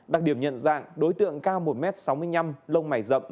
đặc điểm nhận dạng đối tượng cao một m sáu mươi năm lông mảy rậm